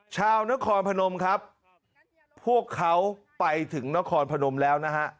ชาวนครพนมครับพวกเขาไปถึงนครพนมแล้วนะฮะ